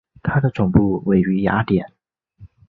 它的总部位于雅典。